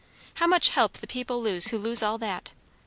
How much help the people lose who lose all that!